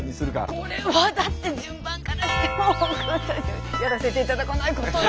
これはだって順番からしてもやらせていただかないことには。